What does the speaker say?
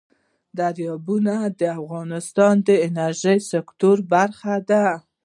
دریابونه د افغانستان د انرژۍ سکتور برخه ده.